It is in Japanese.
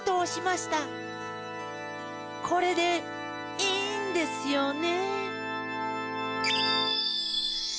これでいいんですよね。